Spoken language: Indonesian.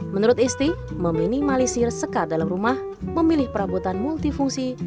menurut isti meminimalisir sekat dalam rumah memilih perabotan multifungsi